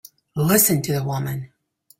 Listen to the woman!